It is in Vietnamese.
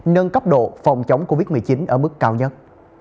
nâng cấp độ phòng chống covid một mươi chín ở mức cao nhất